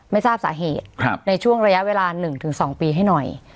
ไม่ทราบสาเหตุในช่วงระยะเวลา๑๒ปีให้หน่อย